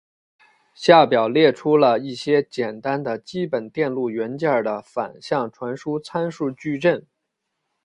下表列出了一些简单的基本电路元件的反向传输参数矩阵。